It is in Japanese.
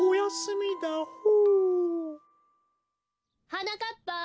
はなかっぱ！